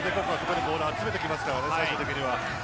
ボールを集めてきますから。